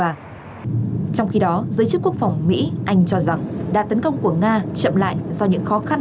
và trong khi đó giới chức quốc phòng mỹ anh cho rằng đa tấn công của nga chậm lại do những khó khăn